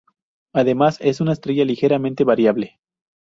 Además, es una estrella ligeramente variable.